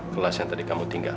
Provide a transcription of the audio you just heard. kelas yang tadi kamu tinggal